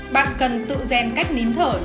sáu bạn cần tự dèn cách nín thói quen